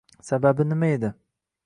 Sababi nima edi?